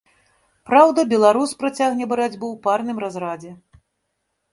Праўда, беларус працягне барацьбу ў парным разрадзе.